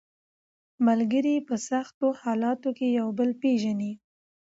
ملګري په سختو حالاتو کې یو بل پېژني